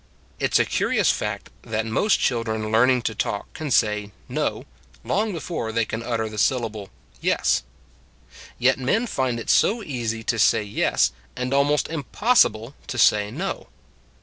It s a curious fact that most children learning to talk can say " no " long before they can utter the syllable " yes." Yet men find it so easy to say yes and almost impossible to say no.